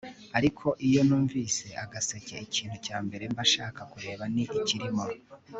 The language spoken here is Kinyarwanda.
ariko iyo numvise agaseke ikintu cya mbere mba nshaka kureba ni ikirimo